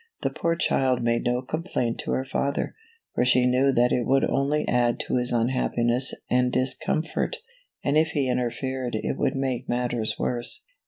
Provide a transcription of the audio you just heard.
The poor child made no complaint to her father, for she knew that it would only add to his unhappiness and discom fort, and if he interfered it would make matters worse.